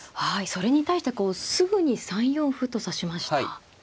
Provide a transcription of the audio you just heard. それに対してすぐに３四歩と指しました。